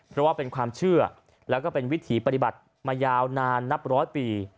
เพราะว่าเป็นความเชื่อแล้วก็เป็นวิถีปฏิบัติมายาวนานนับร้อยปี